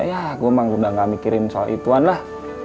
ya gue emang udah gak mikirin soal ituan lah